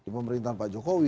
pemerintahan pak jokowi